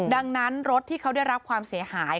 ดังนั้นรถที่เขาได้รับความเสียหาย